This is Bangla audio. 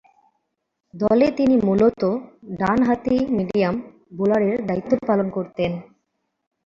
দলে তিনি মূলতঃ ডানহাতি মিডিয়াম বোলারের দায়িত্ব পালন করতেন।